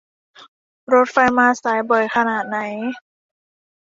รถไฟมาสายบ่อยขนาดไหน